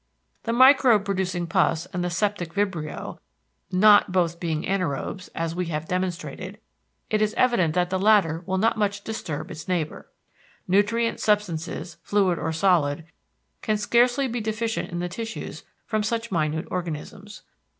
The microbe producing pus and the septic vibrio (not) being both anaërobes, as we have demonstrated, it is evident that the latter will not much disturb its neighbor. Nutrient substances, fluid or solid, can scarcely be deficient in the tissues from such minute organisms.